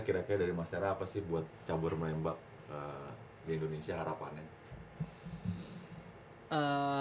kira kira dari mas era apa sih buat cabur menembak di indonesia harapannya